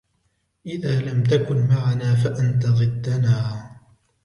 إذا لم تكن معنا فأنت ضدنا.